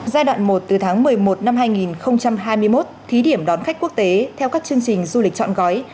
giai đoạn một từ tháng một mươi một năm hai nghìn hai mươi một thí điểm đón khách quốc tế theo các chương trình du lịch chọn gói